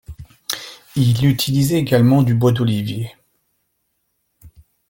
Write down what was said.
Ils utilisaient également du bois d'olivier.